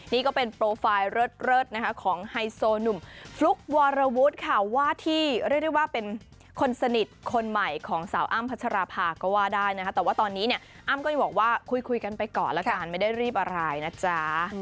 นี่ก็เป็นโปรไฟล์เลิศนะคะของไฮโซหนุ่มฟลุ๊กวรวุฒิค่ะว่าที่เรียกได้ว่าเป็นคนสนิทคนใหม่ของสาวอ้ำพัชราภาก็ว่าได้นะคะแต่ว่าตอนนี้เนี่ยอ้ำก็ยังบอกว่าคุยกันไปก่อนแล้วกันไม่ได้รีบอะไรนะจ๊ะ